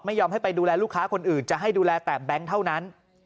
ไม่ยอมให้ไปดูแลลูกค้าคนอื่นจะให้ดูแลแต่แบงค์เท่านั้น